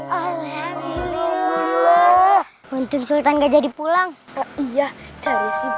alhamdulillah untuk sultan gak jadi pulang iya